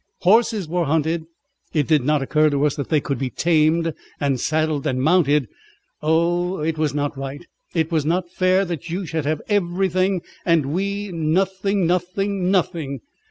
Horses were hunted. It did not occur to us that they could be tamed and saddled and mounted. Oh! it was not right. It was not fair that you should have everything and we nothing nothing nothing!